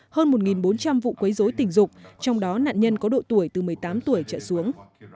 hơn một bốn trăm linh vụ quấy dối tình dục trong đó nạn nhân có độ tuổi từ một mươi tám tuổi trở xuống